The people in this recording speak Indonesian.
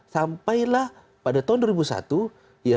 sampailah pada tahun dua ribu satu